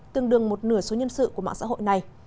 tương đương một nửa số nhân sự của mạng xã hội này